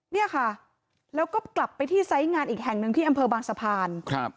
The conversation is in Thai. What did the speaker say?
เนี่ยค่ะแล้วก็กลับไปที่ไซส์งานอีกแห่งหนึ่งที่อำเภอบางสะพานครับ